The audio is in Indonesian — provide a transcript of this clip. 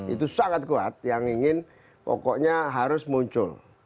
itu sangat kuat yang ingin pokoknya harus muncul